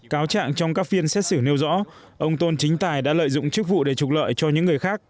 cáo trạng trong các phiên xét xử nêu rõ ông tôn chính tài đã lợi dụng chức vụ để trục lợi cho những người khác